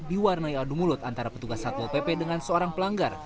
diwarnai adu mulut antara petugas satpol pp dengan seorang pelanggar